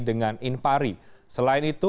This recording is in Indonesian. dengan inpari selain itu